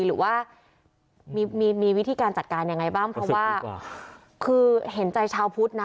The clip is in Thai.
หรือว่ามีมีวิธีการจัดการยังไงบ้างเพราะว่าคือเห็นใจชาวพุทธนะ